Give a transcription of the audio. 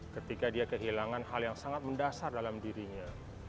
ketika dia kehilangan hal yang sangat mendasar dalam dirinya